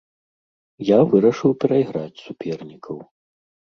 Я вырашыў перайграць супернікаў.